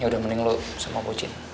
yaudah mending lo sama pucit